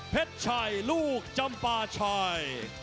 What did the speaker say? ชัยลูกจำปาชัย